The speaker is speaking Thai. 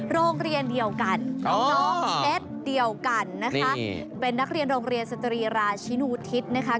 โรงเรียนเดียวกันน้องเพชรเดียวกันนะคะเป็นนักเรียนโรงเรียนสตรีราชินูทิศนะคะ